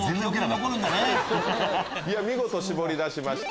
見事絞り出しました。